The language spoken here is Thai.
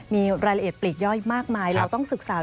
มีรายละเอียดปลีกย่อยมากมายเราต้องศึกษา